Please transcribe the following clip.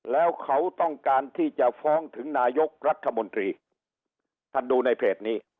แล้วเขาต้องการที่จะฟ้องถึงนายกรัฐมนตรีท่านดูในเพจนี้